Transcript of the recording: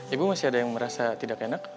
ibu masih ada yang merasa tidak enak